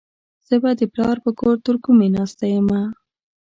زه به د پلار په کور ترکمي ناسته يمه.